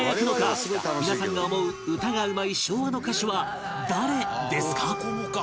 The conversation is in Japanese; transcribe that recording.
皆さんが思う歌がうまい昭和の歌手は誰ですか？